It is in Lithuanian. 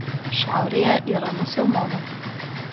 Šiaurėje yra musulmonų.